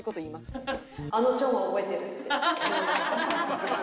「あのチョンは覚えてる」って。